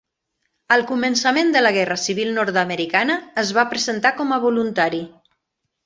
Al començament de la guerra civil nord-americana es va presentar com a voluntari.